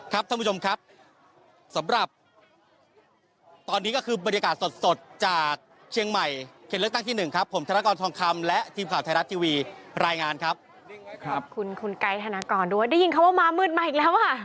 ขอบคุณคุณก๋ายธนากรดว่าได้ยินว่าม้ามืดมาอีกแล้วอะ